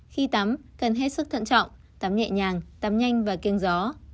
khi tắm cần hết sức thận trọng tắm nhẹ nhàng tắm nhanh và kiêng gió